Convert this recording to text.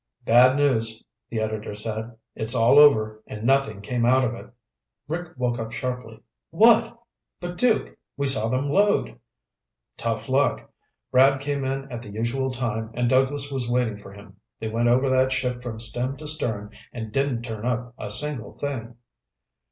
"Bad news," the editor said. "It's all over, and nothing came out of it." Rick woke up sharply. "What? But, Duke, we saw them load!" "Tough luck. Brad came in at the usual time and Douglas was waiting for him. They went over that ship from stem to stern and didn't turn up a single thing."